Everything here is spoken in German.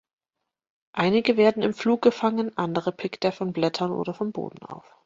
Einige werden im Flug gefangen, andere pickt er von Blättern oder vom Boden auf.